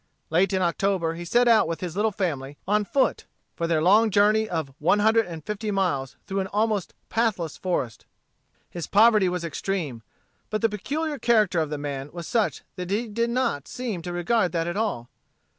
Late in October he set out with his little family on foot, for their long journey of one hundred and fifty miles through almost a pathless forest. His poverty was extreme. But the peculiar character of the man was such that he did net seem to regard that at all.